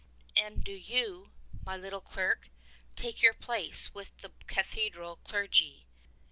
And do you, my little clerk, take your place with the cathedral clergy.